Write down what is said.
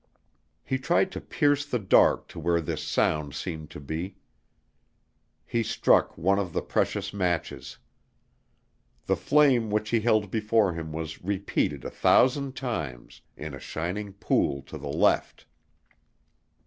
He tried to pierce the dark to where this sound seemed to be. He struck one of his precious matches. The flame which he held before him was repeated a thousand times, in a shining pool to the left.